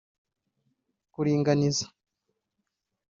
kuringaniza